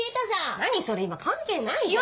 何それ今関係ないじゃん。